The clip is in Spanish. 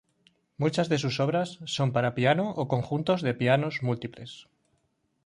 Muchas de sus obras son para piano o conjuntos de pianos múltiples.